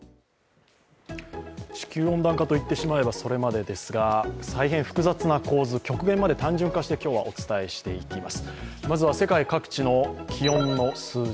地球温暖化と言ってしまえばそれまでですが大変複雑な構図、極限まで簡単にして今日はお伝えしていきます。